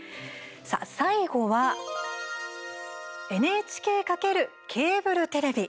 さあ、最後はＮＨＫ×ケーブルテレビ